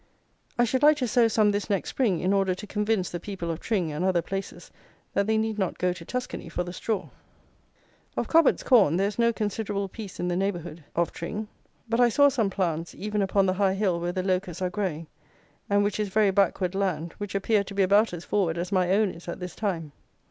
I should like to sow some this next spring, in order to convince the people of Tring, and other places, that they need not go to Tuscany for the straw. Of "Cobbett's Corn" there is no considerable piece in the neighbourhood of Tring; but I saw some plants, even upon the high hill where the locusts are growing, and which is very backward land, which appeared to be about as forward as my own is at this time.